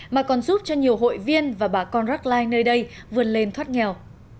mà còn giúp cho nhiều hội viên và bà con rắc lai nơi đây vươn lên thoát nghèo